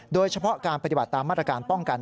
โดยเฉพาะการปฏิบัติตามมาตรการป้องกัน